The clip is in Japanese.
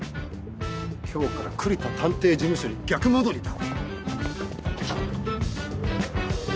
今日から栗田探偵事務所に逆戻りだ。